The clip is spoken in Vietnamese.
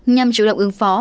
nhằm chủ động ứng phó